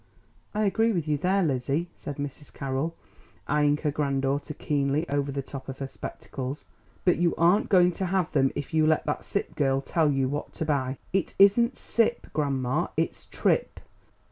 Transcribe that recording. "I agree with you there, Lizzie," said Mrs. Carroll, eyeing her granddaughter keenly over the top of her spectacles; "but you aren't going to have them, if you let that Sipp girl tell you what to buy." "It isn't Sipp, grandma, it's Tripp.